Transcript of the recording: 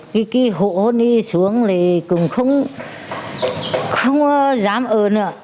cái hộ này xuống là cũng không dám ơn